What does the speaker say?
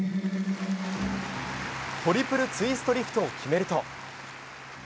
トリプルツイストリフトを決めると。